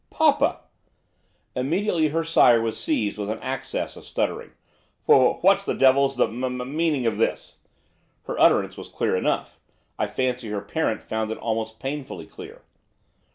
'Papa!' Immediately her sire was seized with an access of stuttering. 'W w what the d devil's the the m m meaning of this?' Her utterance was clear enough, I fancy her parent found it almost painfully clear.